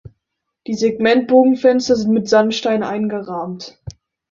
Die Segmentbogenfenster sind mit Sandsteinen eingerahmt.